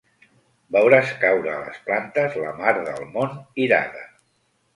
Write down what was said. Veuràs caure a les plantes la mar del món irada.